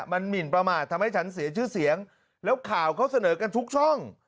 มันหมินประมาททำให้ฉันเสียชื่อเสียงแล้วข่าวเขาเสนอกันทุกช่อง